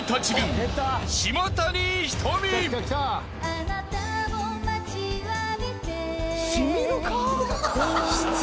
「あなたを待ちわびてどんな」